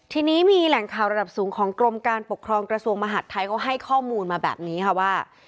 ทีนี้มีแหล่งข่าวระดับสูงของกรมการปกครองกระทรวงมหาดไทยเขาให้ข้อมูลมาแบบนี้ค่ะว่า